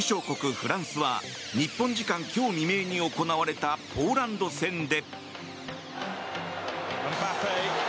フランスは日本時間今日未明に行われたポーランド戦で。